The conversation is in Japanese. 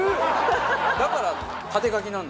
だから縦書きなんだ。